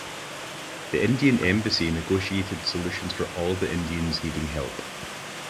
The Indian Embassy negotiated solutions for all the Indians needing help.